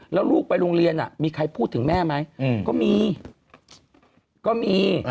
แล้วลูกไปโรงเรียนมีใครพูดถึงแม่ไหมก็มีก็มี